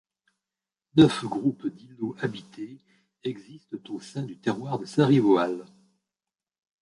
Neuf groupes d'îlots habités existent au sein du terroir de Saint-Rivoal.